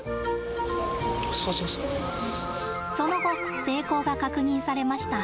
その後成功が確認されました。